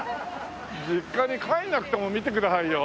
実家に帰らなくても見てくださいよ。